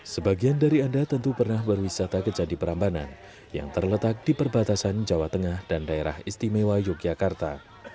sebagian dari anda tentu pernah berwisata ke candi prambanan yang terletak di perbatasan jawa tengah dan daerah istimewa yogyakarta